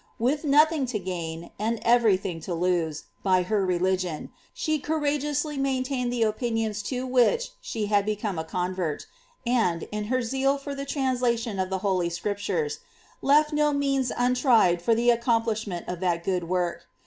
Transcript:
V/iiH nothing to gain, and every thing to lose, by her religion, she courageoosly audn tained the opinions to which she hiid become a convert ; and, in her zeal for the translation of the Holy Scriptures, left no means untried for the accompli sfuMi^nt of that good work.